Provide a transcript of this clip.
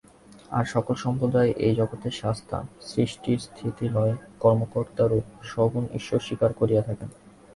আর সকল সম্প্রদায়ই এই জগতের শাস্তা, সৃষ্টিস্থিতিলয়-কর্তারূপ সগুণ ঈশ্বর স্বীকার করিয়া থাকেন।